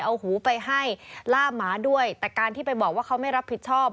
เอาหูไปให้ล่าหมาด้วยแต่การที่ไปบอกว่าเขาไม่รับผิดชอบ